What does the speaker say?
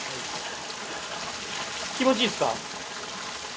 気持ちいいですか？